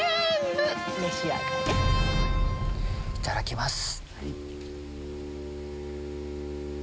いただきます。